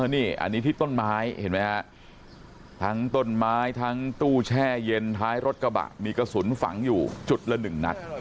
นี่อันนี้ที่ต้นไม้เห็นไหมฮะทั้งต้นไม้ทั้งตู้แช่เย็นท้ายรถกระบะมีกระสุนฝังอยู่จุดละ๑นัด